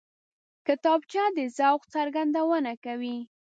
کتابچه د ذوق څرګندونه کوي